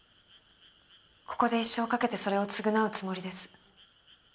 ここで一生かけてそれを償うつもりです。